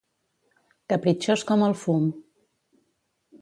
Capritxós com el fum.